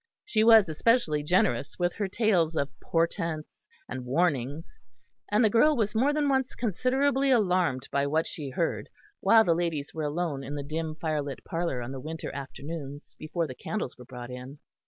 She was especially generous with her tales of portents and warnings; and the girl was more than once considerably alarmed by what she heard while the ladies were alone in the dim firelit parlour on the winter afternoons before the candles were brought in.